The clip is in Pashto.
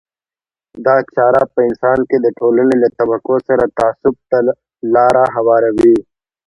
دا چاره په انسان کې د ټولنې له طبقو سره تعصب ته لار هواروي.